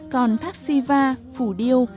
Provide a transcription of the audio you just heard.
còn pháp si va phủ điêu